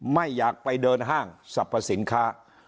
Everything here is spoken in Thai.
ไม่อยากไปเดินห้างสรรพสินค้า